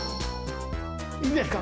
いいですか？